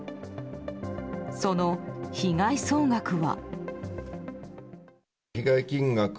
その被害総額は。